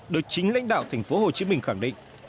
được chính lãnh đạo thành phố hồ chí minh khẳng định